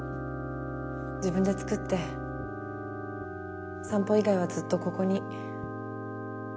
自分で作って散歩以外はずっとここに。